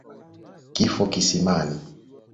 Kifo kisimani.